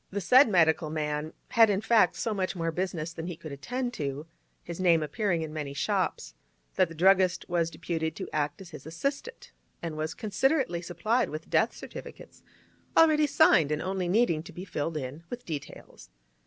The said medical man had, in fact, so much more business than he could attend to—his name appearing in many shops—that the druggist was deputed to act as his assistant, and was considerately supplied with death certificates, already signed, and only needing to be filled in with details.